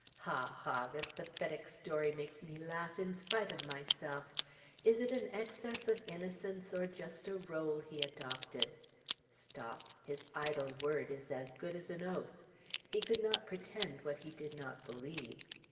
Ha! ha! this pathetic story makes me laugh in spite of myself. Is it excess of innocence, or just a rôle he adopted? Stop! His idle word is as good as an oath. He could not pretend to what he did not believe.